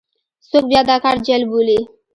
څوک بیا دا کار جعل بولي.